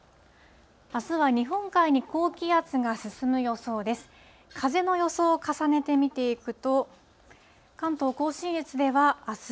あすは日本海に高気圧が進む予想です。